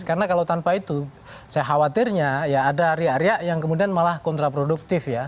karena kalau tanpa itu saya khawatirnya ya ada area area yang kemudian malah kontraproduktif ya